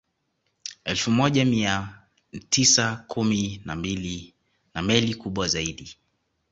Elfu moja mia mtisa kumi na mbili na meli kubwa zaidi